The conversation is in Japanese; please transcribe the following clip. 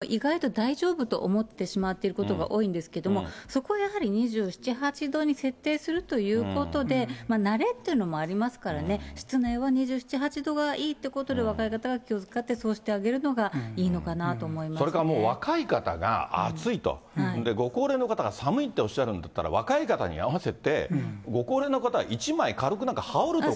ですから、３０度を超えた部屋でも意外と大丈夫と思ってしまっていることが多いんですけども、そこはやはり２７、８度に設定するということで、慣れっていうのもありますからね、室内は２７、８度がいいということで、若い方は気を遣って、そうしてあげるのそれからもう若い方が暑いと、ご高齢の方が寒いっておっしゃるんだったら、若い方に合わせて、ご高齢の方は一枚軽くなんか羽織るとか。